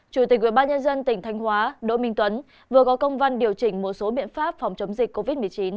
chủ tịch ubnd tỉnh thanh hóa đỗ minh tuấn vừa có công văn điều chỉnh một số biện pháp phòng chống dịch covid một mươi chín